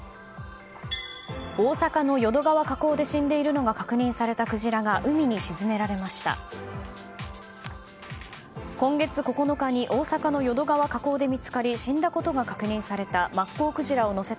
大阪の淀川河口で死んでいるのが確認されたクジラが海に沈められました。